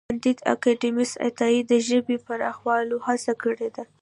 کانديد اکاډميسن عطايي د ژبې د پراخولو هڅه کړې ده.